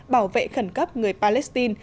bảo vệ khẩn cấp người palestine